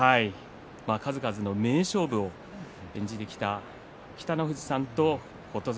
数々の名勝負を演じてきた北の富士さんと琴櫻。